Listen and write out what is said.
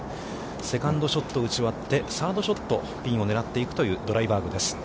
セカンドショットを打ち終わって、サードショット、ピンを狙っていくというドライバーグです。